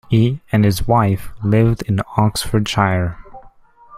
He and his wife live in Oxfordshire.